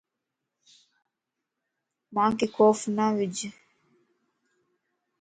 مانک خوف نه وج